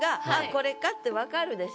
これかってわかるでしょ。